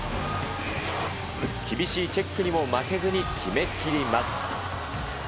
厳しいチェックにも負けずに決めきります。